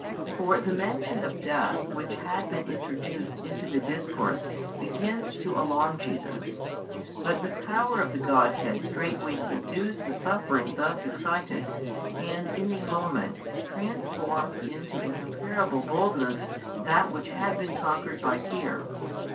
For the mention of death which had been introduced into the discourse begins to alarm Jesus, but the Power of the Godhead straightway subdues the suffering thus excited and in a moment transforms into incomparable boldness that which had been conquered by fear.